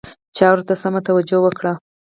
چارو ته سمه توجه وکړي.